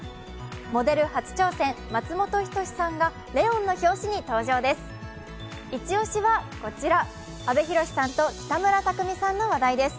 モデル初挑戦、松本人志さんが「ＬＥＯＮ」の表紙に登場です。